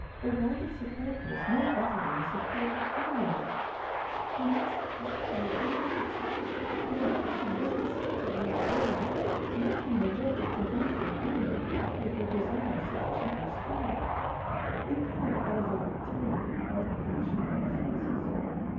A whited sepulchre is no better than a sepulchre unwhitened. You must act by your own lights. If an action doesn't seem to you wrong nothing in the world will prevent your doing it, if your desire is sufficiently strong. You cannot elevate tone by punishing offences.